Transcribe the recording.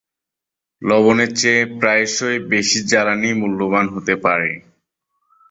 লবণের চেয়ে প্রায়শই বেশি জ্বালানী মূল্যবান হতে পারে।